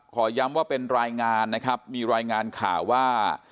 ขอย้ำว่าเป็นรายงานนะครับมีรายงานข่าวว่า